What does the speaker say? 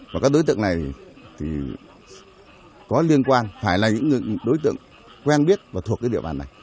và các đối tượng này thì có liên quan phải là những đối tượng quen biết và thuộc cái địa bàn này